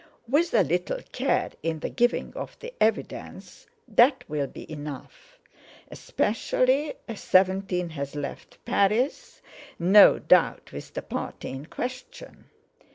With a little care in the giving of the evidence that will be enough, especially as 17 has left Paris—no doubt with the party in question.